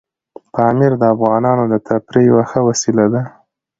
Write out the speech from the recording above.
پامیر د افغانانو د تفریح یوه ښه وسیله ده.